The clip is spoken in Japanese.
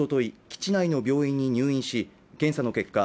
基地内の病院に入院し検査の結果